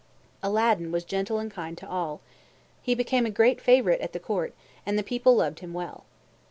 Aladdin was gentle and kind to all. He became a great favorite at the court, and the people loved him well.